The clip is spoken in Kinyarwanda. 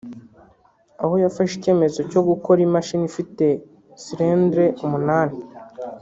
Aho yafashe icyemezo cyo gukora imashini ifite cylindres umunani